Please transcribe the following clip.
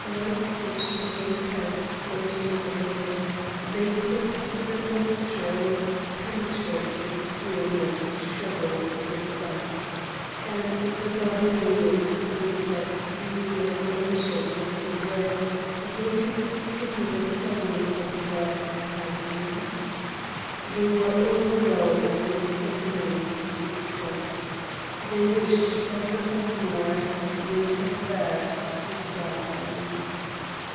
Whitish vapours floated overhead; they pricked the nostrils, penetrated the skin, and troubled the sight; and the Barbarians thought that through the exhalations of the breath they could see the souls of their companions. They were overwhelmed with immense disgust. They wished for nothing more; they preferred to die.